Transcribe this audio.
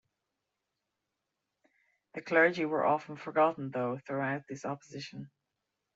The clergy were often forgotten though throughout this opposition.